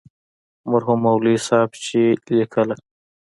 مرحوم مولوي صاحب چې لیکله.